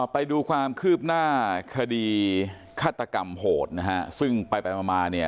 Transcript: ไปดูความคืบหน้าคดีฆาตกรรมโหดนะฮะซึ่งไปไปมามาเนี่ย